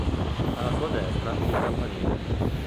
Alla sua destra, il campanile.